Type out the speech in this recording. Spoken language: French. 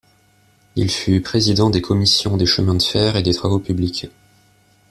Il fut président des commissions des chemins de fer et des travaux publics.